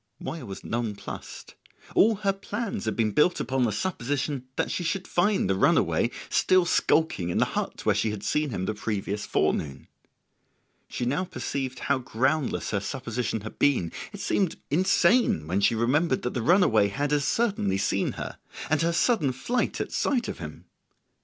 Moya was nonplussed: all her plans had been built upon the supposition that she should find the runaway still skulking in the hut where she had seen him the previous forenoon. She now perceived how groundless her supposition had been; it seemed insane when she remembered that the runaway had as certainly seen her and her sudden flight at sight of him.